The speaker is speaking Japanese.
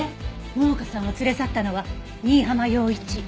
桃香さんを連れ去ったのは新浜陽一。